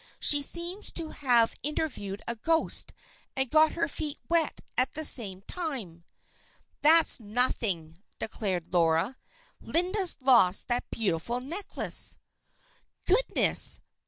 She seems to have interviewed a ghost and got her feet wet at the same time." "That's nothing," declared Laura. "Linda's lost that beautiful necklace." "Goodness!